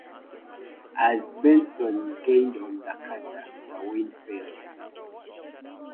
As "Benson" gained on the cutter the wind failed.